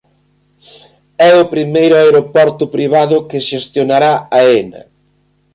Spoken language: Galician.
É o primeiro aeroporto privado que xestionará Aena.